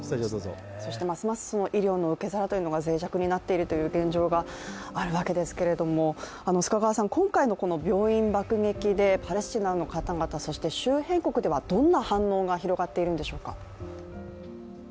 ますます医療の受け皿というのがぜい弱になっているという現状がありますが今回のこの病院爆撃でパレスチナの方々、そして周辺国ではどんな反応が広がっているんでしょうか。